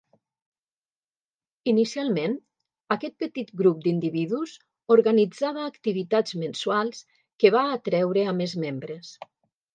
Inicialment, aquest petit grup d'individus organitzava activitats mensuals que va atreure a més membres.